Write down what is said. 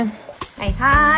はいはい。